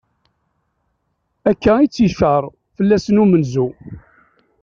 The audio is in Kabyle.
Akka i tt-icar fell-asen umenzu.